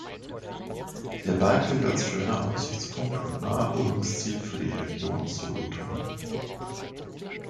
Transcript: Der Berg gilt als schöner Aussichtspunkt und Naherholungsziel für die Region Solothurn.